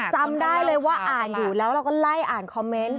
จำได้เลยว่าอ่านอยู่แล้วเราก็ไล่อ่านคอมเมนต์